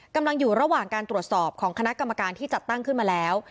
กำลังอยู่ระหว่างการตรวจสอบของคณะกรรมการที่จัดตั้งขึ้นมาแล้ว